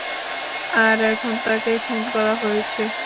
আর এখন তাকে খুন করা হয়েছে।